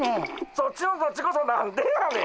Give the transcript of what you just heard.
そっちのそっちこそ何でやねん。